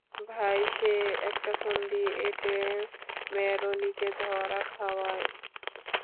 তাই সে একটা ফন্দি এঁটে ম্যারোনিকে ধরা খাওয়ায়।